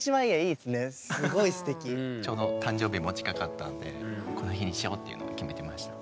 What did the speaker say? ちょうど誕生日も近かったんでこの日にしようというのを決めてました。